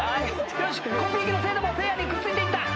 よしコピー機の生徒もせいやにくっついていった。